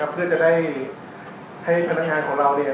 เพื่อจะได้ให้พนักงานของเรา